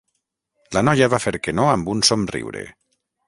La noia va fer que no amb un somriure.